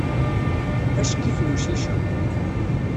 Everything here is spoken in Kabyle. Acki-t umcic-a.